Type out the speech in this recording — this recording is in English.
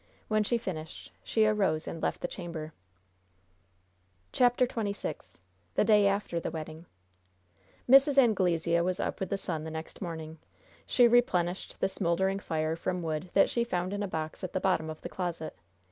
When she finished, she arose and left the chamber. CHAPTER XXVI THE DAY AFTER THE WEDDING Mrs. Anglesea was up with the sun the next morning. She replenished the smoldering fire from wood that she found in a box at the bottom of the closet.